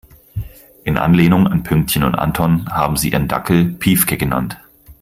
In Anlehnung an Pünktchen und Anton haben sie ihren Dackel Piefke genannt.